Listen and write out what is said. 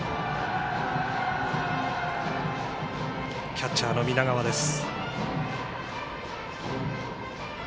キャッチャーの南川です。